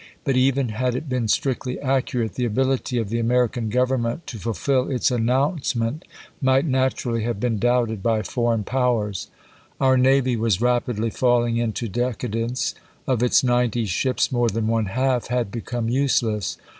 But even had it been strictly accurate, the ability of the American Government to fulfill its announce HATTEEAS AND POET KOYAL i ment might naturally have been doubted by foreign chap. i. powers. Our navy was rapidly falling into de cadence. Of its ninety ships more than one half had become useless.